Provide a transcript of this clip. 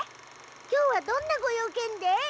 今日はどんなご用件で？